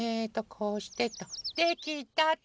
こうしてと。できたっと。